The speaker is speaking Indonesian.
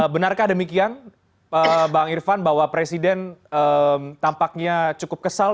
benarkah demikian bang irfan bahwa presiden tampaknya cukup kesal